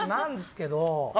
けど